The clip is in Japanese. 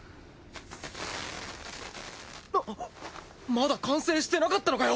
まだ完成してなかったのかよ